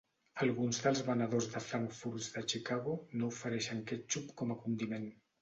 Alguns dels venedors de frankfurts de Chicago no ofereixen quètxup com a condiment.